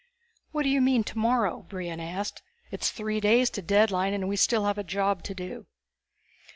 "What do you mean, tomorrow?" Brion asked. "It's three days to deadline and we still have a job to do."